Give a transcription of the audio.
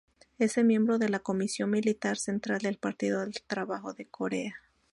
Es miembro de la comisión militar central del Partido del Trabajo de Corea.